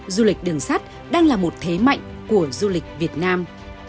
du lịch đường sắt đang là một thế mạnh của du lịch việt nam